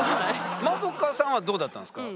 円さんはどうだったんですか？